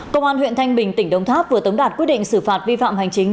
công an huyện thanh bình tỉnh đông tháp vừa tống đạt quyết định xử phạt vi phạm hành chính